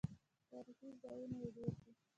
تاریخي ځایونه یې ډیر دي.